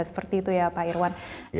seperti itu ya pak irwan